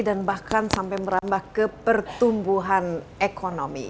dan bahkan sampai merambah ke pertumbuhan ekonomi